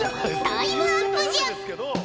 タイムアップじゃ。